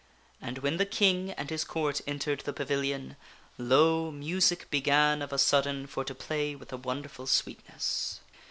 And when the King and his Court entered into the pavilion, lo ! music began of a sudden for to play with a wonderful sweetness.